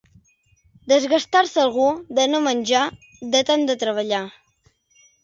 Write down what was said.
Desgastar-se algú de no menjar, de tant de treballar.